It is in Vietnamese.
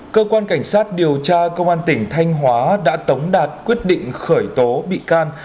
cơ quan cảnh sát điều tra công an tỉnh thanh hóa đã tống đạt quyết định khởi tố bị can